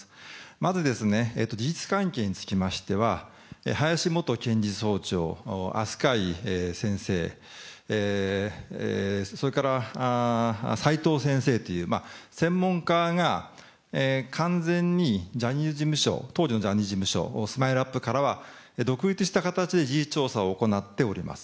まずですね、事実関係につきましては、林元検事総長、飛鳥井先生、それから齋藤先生という、専門家が完全にジャニーズ事務所、当時のジャニーズ事務所、スマイルアップからは独立した形で事実調査を行っております。